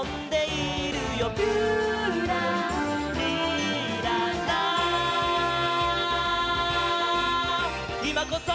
「いまこそ！」